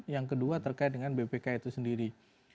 yang kedua terkait dengan bpk itu sendiri